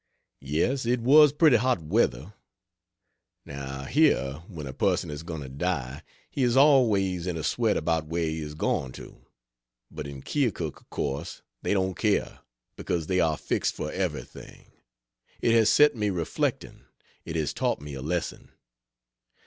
Yes, it was pretty hot weather. Now here, when a person is going to die, he is always in a sweat about where he is going to; but in Keokuk of course they don't care, because they are fixed for everything. It has set me reflecting, it has taught me a lesson.